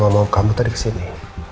papa sama mama mau kamu tadi kesini